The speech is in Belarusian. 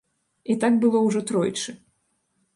І так было ўжо тройчы.